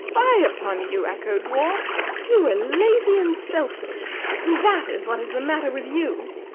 Fie upon you, Echo dwarf! You are lazy and selfish; and that is what is the matter with you.